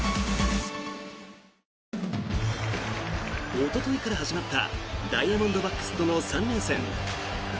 おとといから始まったダイヤモンドバックスとの３連戦。